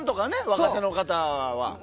若手の方はね。